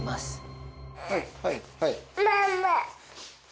はいはい。